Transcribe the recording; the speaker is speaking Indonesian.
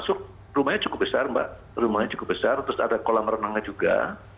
masuk rumahnya cukup besar mbak rumahnya cukup besar terus ada kolam renangnya juga